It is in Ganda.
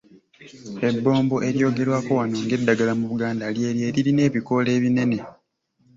Ebbombo eryogerwako wano ng'eddagala mu Buganda ly'eryo eririna ebikoola ebinene